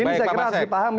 ini saya kira harus dipahami